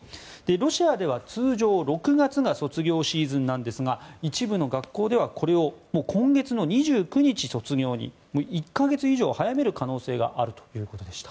ロシアでは通常６月が卒業シーズンなんですが一部の学校ではこれを今月の２９日卒業に１か月以上早める可能性があるということでした。